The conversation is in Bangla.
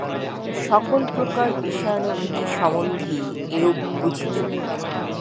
সকল প্রকার বিষয়ানুভূতি সম্বন্ধেই এরূপ বুঝিতে হইবে।